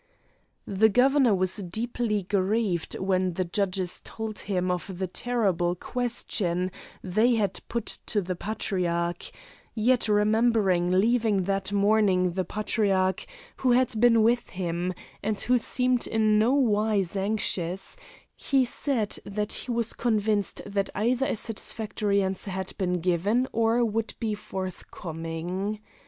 The Governor was deeply grieved when the judges told him of the terrible question they had put to the Patriarch, yet remembering leaving that morning the Patriarch who had been with him, and who seemed in no wise anxious, he said that he was convinced that either a satisfactory answer had been given or would be forthcoming.